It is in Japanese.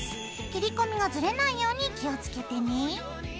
切り込みがズレないように気をつけてね。